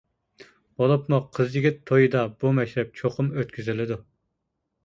بولۇپمۇ قىز-يىگىت تويىدا بۇ مەشرەپ چوقۇم ئۆتكۈزۈلىدۇ.